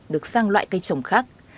được sang loại cây trồng khác